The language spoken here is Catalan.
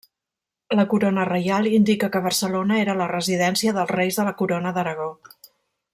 La corona reial indica que Barcelona era la residència dels reis de la Corona d'Aragó.